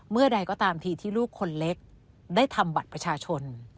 เมื่อใดก็ตามทีที่ลูกคนเล็กได้ทำบัตรประชาชน